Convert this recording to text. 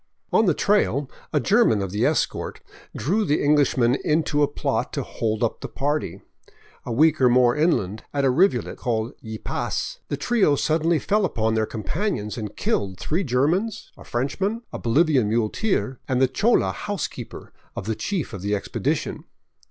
On the trail a German of the escort drew the English men into a plot to hold up the party. A week or more inland, at a rivulet called Ypias, the trio suddenly fell upon their companions and killed three Germans, a Frenchman, a Bolivian muleteer, and the chola " housekeeper " of the chief of the expedition.